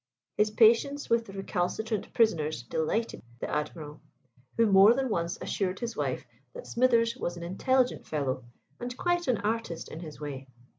His patience with the recalcitrant prisoners delighted the Admiral, who more than once assured his wife that Smithers was an intelligent fellow and quite an artist in his way.